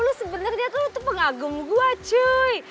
lu sebenernya tuh pengagum gue cuy